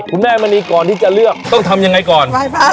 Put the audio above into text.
แม่มณีก่อนที่จะเลือกต้องทำยังไงก่อน